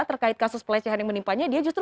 terkait kasus pelecehan yang menimpanya dia justru